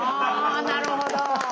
あなるほど。